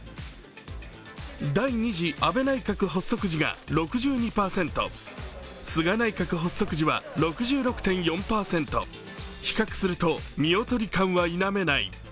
第２次安倍内閣発足時が６２％、菅内閣発足時は６６．４％、比較すると見劣り感は否めない。